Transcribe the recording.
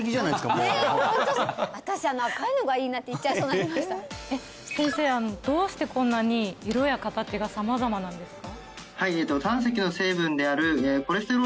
もう私あの赤いのがいいなって言っちゃいそうになりました先生どうしてこんなに色や形が様々なんですか？